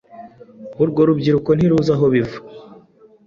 urwo rubyiruko ntiruzi aho biva